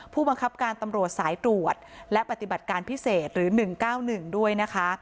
ผู้บังคับการตำรวจสายตรวจและปฏิบัติการพิเศษหรือ๑๙๑ด้วยนะคะ